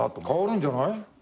変わるんじゃない？